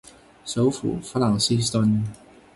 首府弗朗西斯敦。